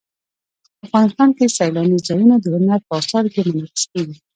افغانستان کې سیلانی ځایونه د هنر په اثار کې منعکس کېږي.